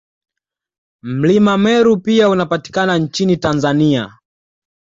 Mlima Meru pia unapatikana nchini Tanzania